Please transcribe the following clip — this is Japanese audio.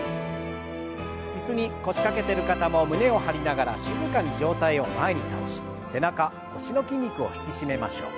椅子に腰掛けてる方も胸を張りながら静かに上体を前に倒し背中腰の筋肉を引き締めましょう。